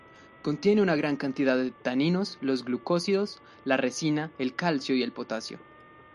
Contiene gran cantidad de taninos, los glucósidos, la resina, el calcio y el potasio.